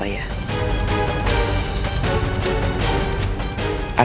aku ada angka